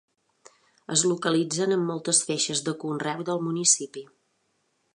Es localitzen en moltes feixes de conreu del municipi.